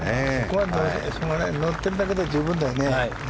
乗ってるだけで十分だよね。